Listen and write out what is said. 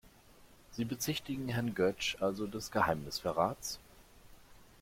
Sie bezichtigen Herrn Götsch also des Geheimnisverrats?